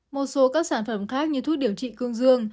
một số các sản phẩm khác như thuốc điều trị cương dương